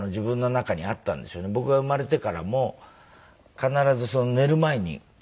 僕が生まれてからも必ず寝る前に。